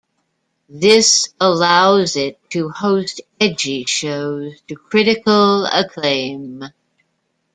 This allows it to host edgy shows to critical acclaim.